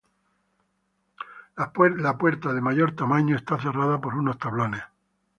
La puerta de mayor tamaño está cerrada por unos tablones.